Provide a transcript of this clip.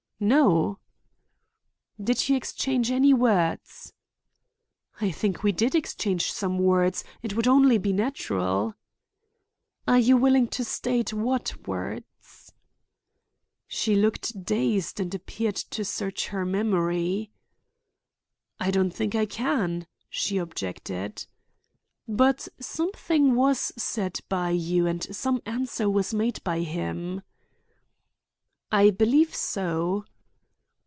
"No." "Did you exchange any words?" "I think we did exchange some words; it would be only natural." "Are you willing to state what words?" She looked dazed and appeared to search her memory. "I don't think I can," she objected. "But something was said by you and some answer was made by him?" "I believe so."